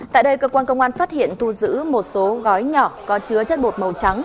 tại đây cơ quan công an phát hiện thu giữ một số gói nhỏ có chứa chất bột màu trắng